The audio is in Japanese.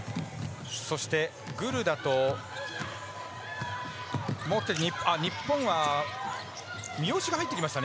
グルダと日本は三好が入ってきました。